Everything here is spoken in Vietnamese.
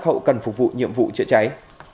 hậu cần phục vụ nhiệm vụ chữa cháy